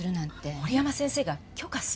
森山先生が許可するわけが。